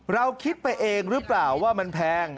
เราคิดไปเองหรือเปล่าว่ามันแพง